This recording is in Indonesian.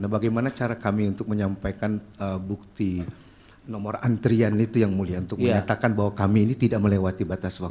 bagaimana cara kami untuk menyampaikan bukti nomor antrian itu yang mulia untuk menyatakan bahwa kami ini tidak melewati batas waktu